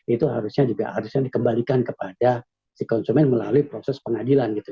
itu harusnya juga harusnya dikembalikan kepada si konsumen melalui proses pengadilan gitu